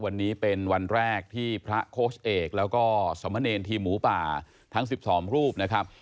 วันนี้เป็นวันแรกที่พระโค้ชเอกแล้วก็สมเนรทีมหมูป่าทั้ง๑๒รูปนะครับ